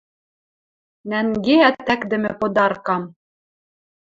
Нӓнгеӓт ӓкдӹмӹ подаркам